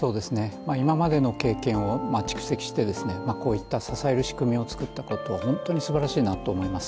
今までの経験を蓄積して、こういった支える仕組みを作ったことは本当にすばらしいなと思います。